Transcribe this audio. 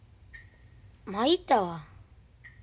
まいったわ。